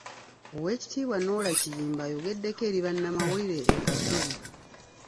Oweekitiibwa Noah Kiyimba ayogeddeko eri bannamawulire e Kasubi.